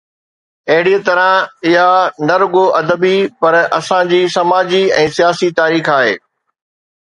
اهڙيءَ طرح اها نه رڳو ادبي، پر اسان جي سماجي ۽ سياسي تاريخ آهي.